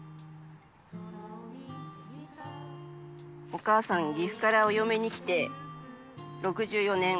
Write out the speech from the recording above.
お母さん、岐阜からお嫁に来て６４年。